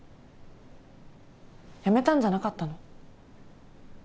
辞めたんじゃなかったの？